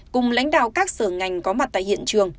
cùng lãnh đạo các sở ngành có mặt tại hiện trường